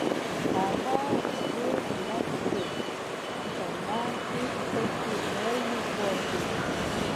هغه روغ رمټ شو کنه هېڅ پکې نه وو پاتې.